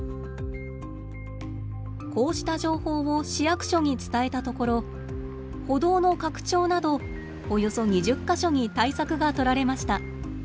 こうした情報を市役所に伝えたところ歩道の拡張などおよそ２０か所に対策がとられました。